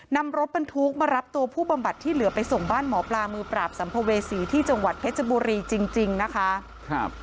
นำรถบรรทุกมารับตัวผู้บำบัดที่เหลือไปส่งบ้านหมอปลามือปราบสัมภเวษีที่จังหวัดเพชรบุรีจริงจริงนะคะครับ